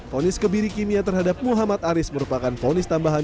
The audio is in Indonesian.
fonis kebiri kimia terhadap muhammad aris merupakan fonis tambahan